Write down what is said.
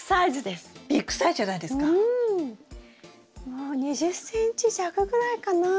もう２０ｃｍ弱ぐらいかな？